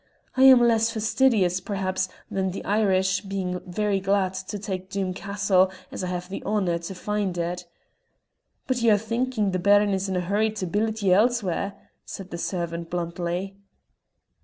I am less fastidious, perhaps, than the Irish, being very glad to take Doom Castle as I have the honour to find it." "But ye're thinkin' the Baron is in a hurry to billet ye elsewhere," said the servant bluntly.